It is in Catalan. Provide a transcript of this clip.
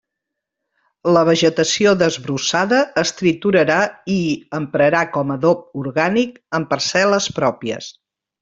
La vegetació desbrossada es triturarà i emprarà com adob orgànic en parcel·les pròpies.